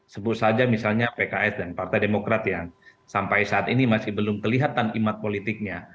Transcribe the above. sebut saja misalnya pks dan partai demokrat yang sampai saat ini masih belum kelihatan imat politiknya